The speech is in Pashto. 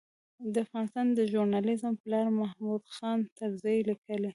د افغانستان د ژورنالېزم پلار محمود خان طرزي لیکي.